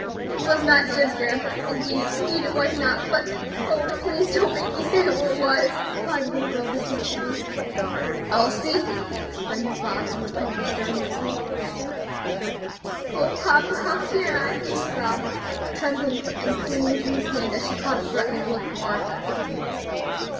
"It was not Jim, grandpa, indeed, indeed, it was not; but oh! please don't make me say who it was," replied the little girl, beseechingly. "Elsie!" exclaimed her father, in a tone of stern reproof. "O papa! how can I?" she sobbed, trembling and clinging to his hand as she caught a threatening look from Arthur.